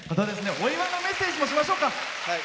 お祝いのメッセージもしましょうか。